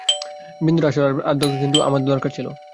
বিন্দুর আর আসবার দরকার হল না, কিন্তু আমার দরকার ছিল।